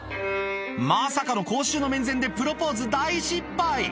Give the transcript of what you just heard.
まさかの公衆の面前で、プロポーズ大失敗。